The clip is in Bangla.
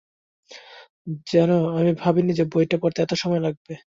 জানো, আমি ভাবিনি যে বইটা পড়তে এত সময় লাগবে।